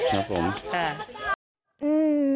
ครับผมค่ะอืม